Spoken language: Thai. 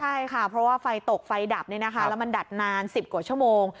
ใช่ค่ะเพราะว่าไฟตกไฟดับแล้วมันดัดนาน๑๐กว่าชั่วโมง